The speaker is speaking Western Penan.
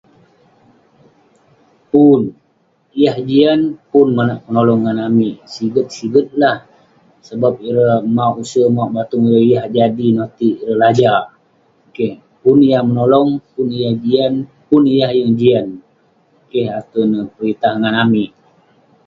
Pun, yah jian pun monak penolong ngan amik. Siget-siget lah, sebab ireh mauk use mau batung yah jadi notik ireh laja. Keh. Pun yah menolong, pun yah jian, pun yah yeng jian. Keh ate neh peritah ngan amik.